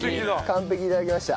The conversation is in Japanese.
「完璧」いただきました。